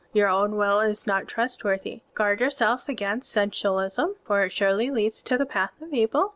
Your own will is not trustworthy. Guard yourselves against sensualism, for it surely leads to the path of evil.